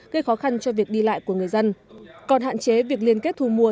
gây khó khăn cho việc đi lại của người dân còn hạn chế việc liên kết thù mùa